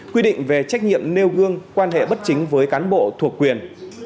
quy định về trách nhiệm nêu gương quan hệ bất chính với cán bộ thuộc quyền